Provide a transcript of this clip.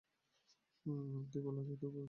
আর তুই বলে আসলি তোর বাপেরে চড় দিবো।